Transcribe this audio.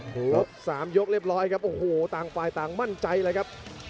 ครบ๓ยกเรียบร้อยครับโอ้โหต่างฝ่ายต่างมั่นใจเลยครับ